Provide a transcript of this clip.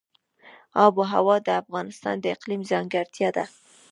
آب وهوا د افغانستان د اقلیم ځانګړتیا ده.